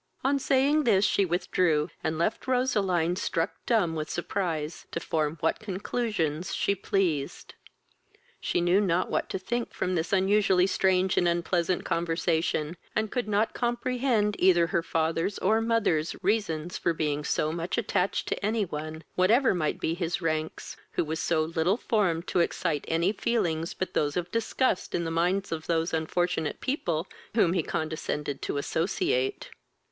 On saying this, she withdrew, and left Roseline, struck dumb with surprise, to form what conclusions she pleased. She knew not what to think from this unusually strange and unpleasant conversation, and could not comprehend either her father's or mother's reasons for being so much attached to any one, whatever might be his ranks, who was so little formed to excite any feelings but those of disgust in the minds of those unfortunate people who whom he condescended to associate.